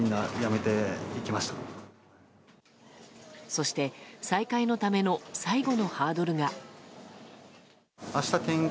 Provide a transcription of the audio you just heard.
そして、再開のための最後のハードルが。